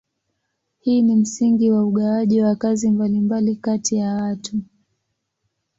Hii ni msingi wa ugawaji wa kazi mbalimbali kati ya watu.